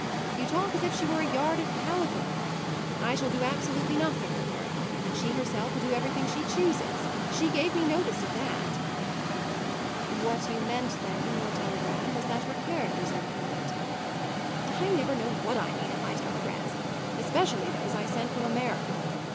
You talk as if she were a yard of calico. I shall do absolutely nothing with her, and she herself will do everything she chooses. She gave me notice of that." "What you meant then, in your telegram, was that her character's independent." "I never know what I mean in my telegrams especially those I send from America.